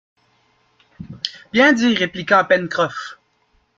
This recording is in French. Bien dit! répliqua Pencroff.